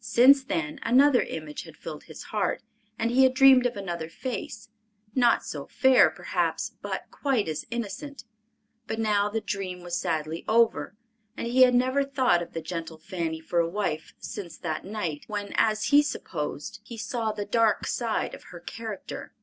Since then another image had filled his heart and he had dreamed of another face—not so fair, perhaps, but quite as innocent. But now the dream was sadly over, and he had never thought of the gentle Fanny for a wife since that night when, as he supposed, he saw the dark side of her character.